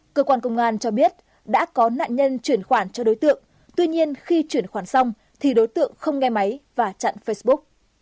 cơ quan công an cho biết đã có nạn nhân chuyển khoản cho đối tượng tuy nhiên khi chuyển khoản xong thì đối tượng không nghe máy và chặn facebook